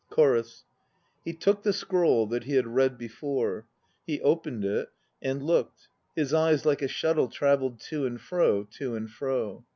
CHORUS. He took the scroll that he had read before. He opened it and looked. His eyes, like a shuttle, travelled To and fro, to and fro.